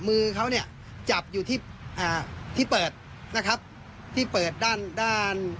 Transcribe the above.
มือเขาเนี่ยจับอยู่ที่อ่าที่เปิดนะครับที่เปิดด้านด้าน